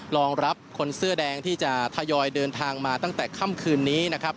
รองรับคนเสื้อแดงที่จะทยอยเดินทางมาตั้งแต่ค่ำคืนนี้นะครับ